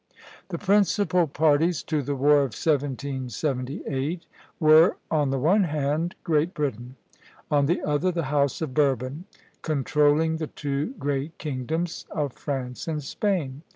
The principal parties to the War of 1778 were, on the one hand, Great Britain; on the other, the House of Bourbon, controlling the two great kingdoms of France and Spain.